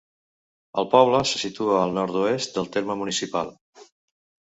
El poble se situa al nord-oest del terme municipal.